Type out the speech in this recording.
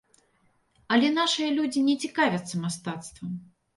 Але нашыя людзі не цікавяцца мастацтвам.